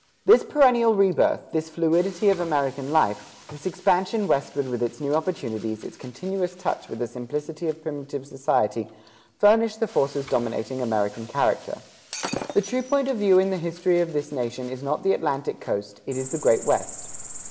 This perennial rebirth, this fluidity of American life, this expansion westward with its new opportunities, its continuous touch with the simplicity of primitive society, furnish the forces dominating American character. The true point of view in the history of this nation is not the Atlantic coast, it is the Great West.